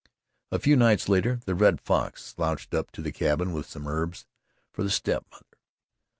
A few nights later the Red Fox slouched up to the cabin with some herbs for the step mother.